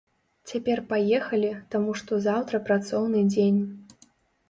Цяпер паехалі, таму што заўтра працоўны дзень.